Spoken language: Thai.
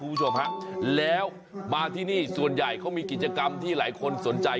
คุณผู้ชมฮะแล้วมาที่นี่ส่วนใหญ่เขามีกิจกรรมที่หลายคนสนใจ